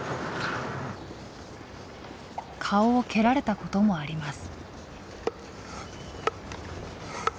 顔を蹴られたこともあります。